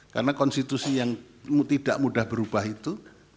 karena konstitusi yang tidak mudah berubah itu